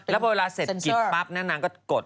แล้วพอเวลาเสร็จกินปั๊บนั้นน้ำก็กด